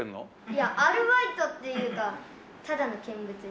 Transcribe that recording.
いやアルバイトっていうかただの見物人。